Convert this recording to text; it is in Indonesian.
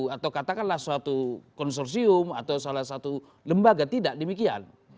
atau katakanlah suatu konsorsium atau salah satu lembaga tidak demikian